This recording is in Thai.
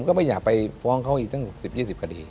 ผมก็ไม่อยากไปฟ้องเขาอีกตั้งสิบยี่สิบกว่าดี